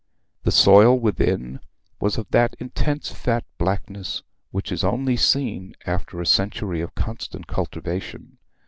The soil within was of that intense fat blackness which is only seen after a century of constant cultivation.